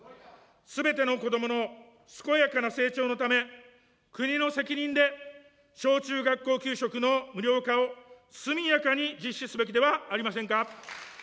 すべての子どもの健やかな成長のため、国の責任で小中学校給食の無料化を速やかに実施すべきではありませんか。